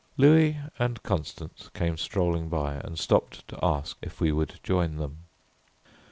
Louis and Constance came strolling by and stopped to ask if we would join them.